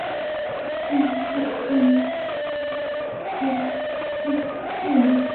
এখানে আইএস যেমন পরাজিত হচ্ছে, তেমনি তুর্কি বাহিনীকেও পরাজয়ের গ্লানি নিতে হবে।